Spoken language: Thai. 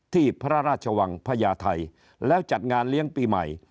ที่พระราชวังพญาไทยแล้วจัดงานเลี้ยงปีใหม่